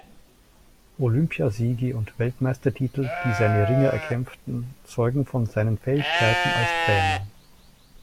Olympiasiege und Weltmeistertitel, die seine Ringer erkämpften, zeugen von seinen Fähigkeiten als Trainer.